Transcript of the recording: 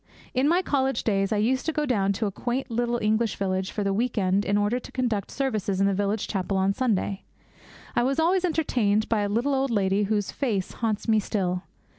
In my college days I used to go down to a quaint little English village for the week end in order to conduct services in the village chapel on Sunday. I was always entertained by a little old lady whose face haunts me still.